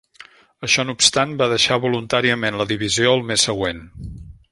Això no obstant, va deixar voluntàriament la divisió el mes següent.